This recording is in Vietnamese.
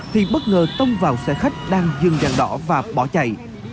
thì bất ngờ tông vào xe khách đang dừng đèn đỏ và bỏ chạy